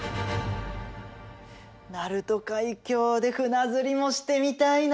鳴門海峡で船釣りもしてみたいな。